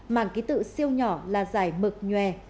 mảng ký tự siêu nhỏ là dài mực nhòe